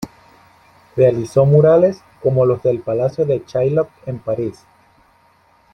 Realizó murales, como los del palacio de Chaillot en París.